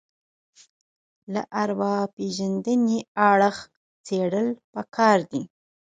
له ارواپېژندنې اړخ څېړل پکار دي